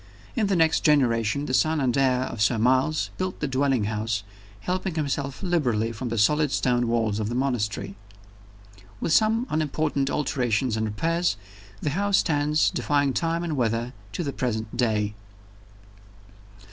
In the next generation, the son and heir of Sir Miles built the dwelling house, helping himself liberally from the solid stone walls of the monastery. With some unimportant alterations and repairs, the house stands, defying time and weather, to the present day.